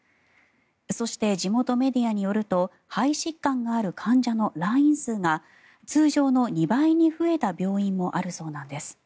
そして地元メディアによると肺疾患がある患者の来院数が通常の２倍に増えた病院もあるそうなんです。